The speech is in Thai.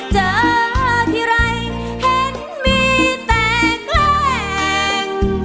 เจอทีไรเห็นมีแต่แกล้ง